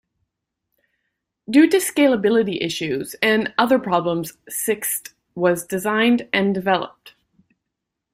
Due to scalability issues and other problems sixxsd was designed and developed.